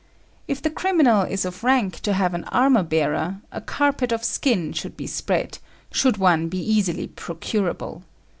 If the criminal is of rank to have an armour bearer, a carpet of skin should be spread, should one be easily procurable.